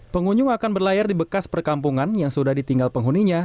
pengunjung akan berlayar di bekas perkampungan yang sudah ditinggal penghuninya